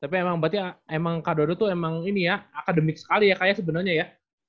tapi emang berarti kak dodo tuh emang ini ya akademik sekali ya kayaknya sebenernya ya